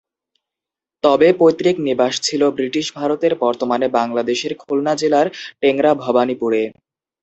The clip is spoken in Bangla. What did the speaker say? তবে পৈতৃক নিবাস ছিল বৃটিশ ভারতের বর্তমানে বাংলাদেশের খুলনা জেলার টেংরা-ভবানীপুরে।